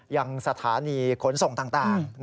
ยังสถานีขนส่งต่าง